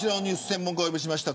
専門家をお呼びしました。